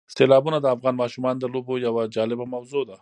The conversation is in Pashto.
سیلابونه د افغان ماشومانو د لوبو یوه جالبه موضوع ده.